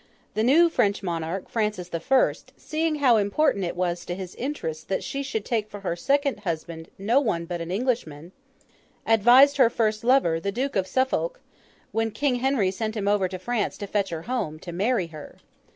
The new French monarch, Francis the First, seeing how important it was to his interests that she should take for her second husband no one but an Englishman, advised her first lover, the Duke of Suffolk, when King Henry sent him over to France to fetch her home, to marry her.